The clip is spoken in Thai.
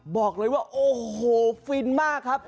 บอกเลยว่าโอ้โหฟินมากครับ